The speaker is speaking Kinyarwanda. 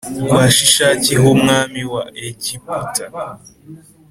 kwa Shishaki h umwami wa Egiputa